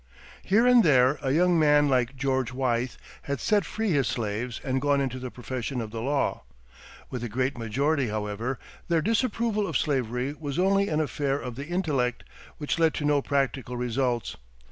Here and there a young man like George Wythe had set free his slaves and gone into the profession of the law. With the great majority, however, their disapproval of slavery was only an affair of the intellect, which led to no practical results.